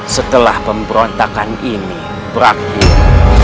setelah pemberontakan ini berakhir